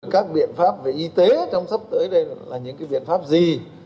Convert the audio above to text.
các biện pháp về y tế trong sắp tới đây là những biện pháp gì